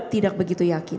tidak begitu yakin